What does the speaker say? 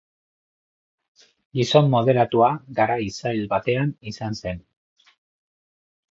Gizon moderatua garai zail batean izan zen.